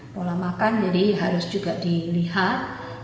pola makan jadi harus juga dilihat